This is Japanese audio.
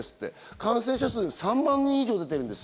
感染者数が３万人以上出ているんです。